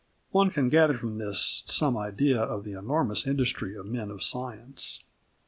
One can gather from this some idea of the enormous industry of men of science.